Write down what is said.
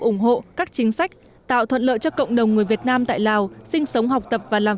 ủng hộ các chính sách tạo thuận lợi cho cộng đồng người việt nam tại lào sinh sống học tập và làm